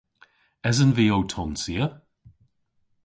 Esen vy ow tonsya?